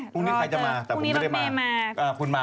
พรุ่งนี้ใครจะมาแต่ผมไม่ได้มาคุณมา